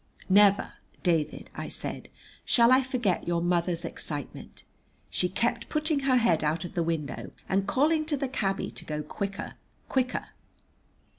"Never, David," I said, "shall I forget your mother's excitement. She kept putting her head out of the window and calling to the cabby to go quicker, quicker.